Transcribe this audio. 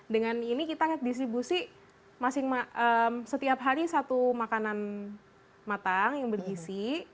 dengan ini kita distribusi setiap hari satu makanan matang yang bergisi